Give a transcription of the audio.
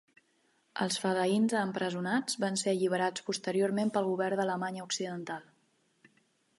Els fedaïns empresonats van ser alliberats posteriorment pel govern d'Alemanya occidental.